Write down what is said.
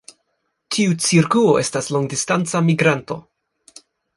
Tiu cirkuo estas longdistanca migranto.